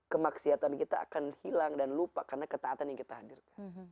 kemaksiatan kita akan hilang dan lupa karena ketaatan yang kita hadirkan